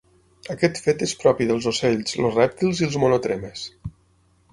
Aquest fet és propi dels ocells, els rèptils i els monotremes.